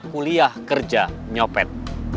kuliah kerja nyopet